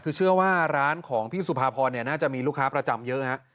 คือเชื่อว่าร้านของพี่สุภาพรน่าจะมีลูกค้าประจำเยอะฮะ